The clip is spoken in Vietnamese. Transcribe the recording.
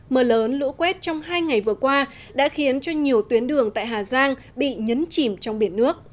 mưa lớn lũ quét trong hai ngày vừa qua đã khiến cho nhiều tuyến đường tại hà giang bị nhấn chìm trong biển nước